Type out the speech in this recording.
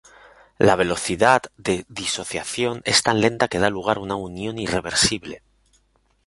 La velocidad de disociación es tan lenta que da lugar a una unión irreversible.